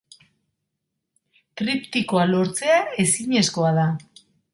Triptikoa lortzea ezinezkoa da.